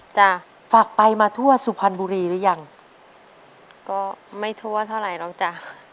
จ้ะฝากไปมาทั่วสุพรรณบุรีหรือยังก็ไม่ทั่วเท่าไหร่หรอกจ้ะ